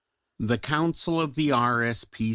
The Council of the R.S.P.